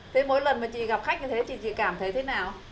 thế mỗi lần mà chị gặp khách như thế chị cảm thấy thế nào